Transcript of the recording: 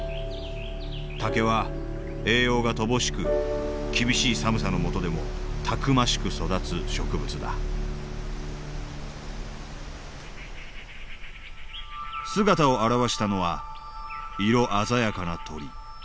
竹は栄養が乏しく厳しい寒さのもとでもたくましく育つ植物だ姿を現したのは色鮮やかな鳥。